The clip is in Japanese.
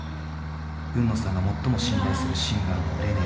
海野さんが最も信頼するシンガーのレネーさん。